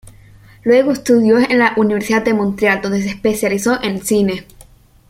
Luego estudió en la Universidad de Montreal, donde se especializó en cine.